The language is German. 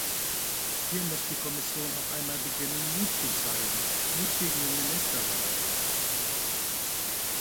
Hier muss die Kommission auch einmal beginnen, Mut zu zeigen, Mut gegen den Ministerrat.